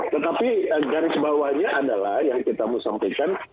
tetapi dari sebalahnya adalah yang kita musampilkan